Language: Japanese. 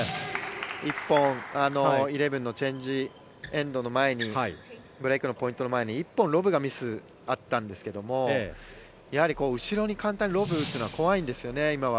１本、イレブンのチェンジ・エンドの前にブレークのポイントの前に１本、ロブのミスがあったんですがやはり後ろに簡単にロブを打つのは怖いんですね、今は。